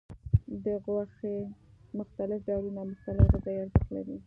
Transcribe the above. د غوښې مختلف ډولونه مختلف غذایي ارزښت لري.